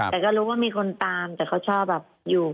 แต่ก็รู้ว่ามีคนตามแต่เขาชอบแบบอยู่